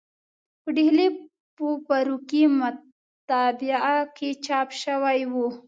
په ډهلي په فاروقي مطبعه کې چاپ شوی و.